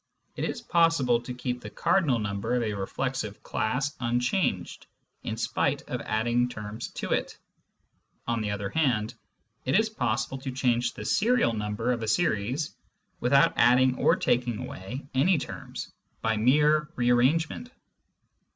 It is possible to keep the cardinal number of a reflexive class unchanged in spite of adding terms to it ; on the other hand, it is possible to change the serial number of a series without adding or taking away any terms, by mere re arrangement.